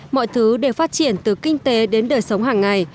mọi thứ đều phát triển từ kinh tế đến đời sống hàng ngày